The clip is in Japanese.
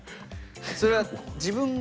それは自分が？